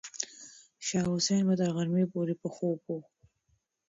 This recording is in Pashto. شاه حسین به تر غرمې پورې په خوب و.